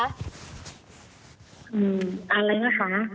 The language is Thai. อะไรนะคะ